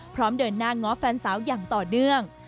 เดินหน้าง้อแฟนสาวอย่างต่อเนื่อง